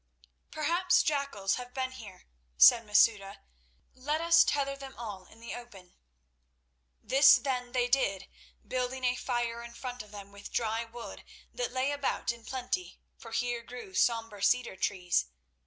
"Perhaps jackals have been here," said Masouda. "Let us tether them all in the open." This then they did, building a fire in front of them with dry wood that lay about in plenty, for here grew sombre cedar trees.